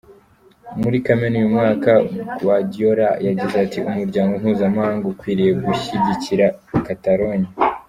Muri kamena uyu mwaka, Guardiola yagize ati “Umuryango mpuzamahanga ukwiriye gushyigikira Catalogne.